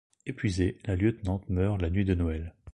Épuisée, la lieutenante meurt la nuit de Noël.